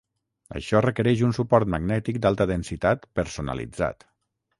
Això requereix un suport magnètic d'alta densitat personalitzat.